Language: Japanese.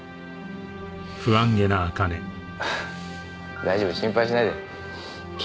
大丈夫心配しないで。